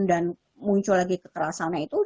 dan muncul lagi kekerasannya itu